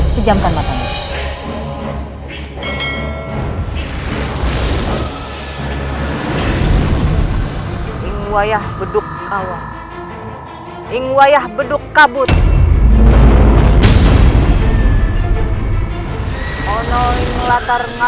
saya bukan ber envision karena sayalang